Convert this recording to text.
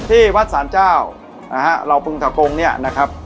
ที่วัดสารเจ้านะฮะเหล่าปึงทะกงเนี่ยนะครับ